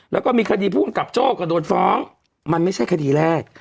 แล้วก็มีคดีผู้กำกับโจ้ก็โดนฟ้องมันไม่ใช่คดีแรก